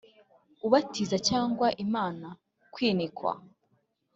ubatiza cyangwa imana? kwinikwa?